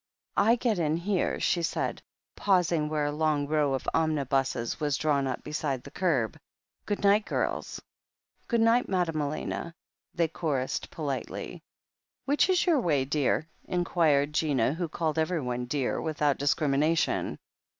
"I get in here," she said, pausing where a long row of omnibuses was drawn up beside the kerb. "Good night, girls." "Good night, Madame Elena," they chorussed po litely. "Which is your way, dear?" inquired Gina, who called everyone "dear" without discrimination.